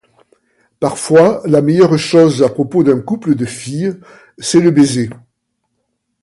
Parfois, la meilleure chose à propos d'un couple de filles, c'est le baiser.